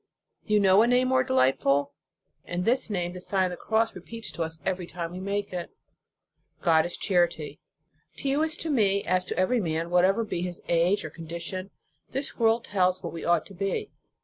Do you know a name more delightful? And this name the Sign of the Cross repeats to us every time we make it. God is charity. To you as to me, as to every man, whatever be his age or condition, this world tells what we ought to be.